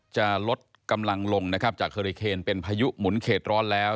จะลดกำลังลงจากเฮอร์รี่เคนเป็นพายุหมุนเขตร้อนแล้ว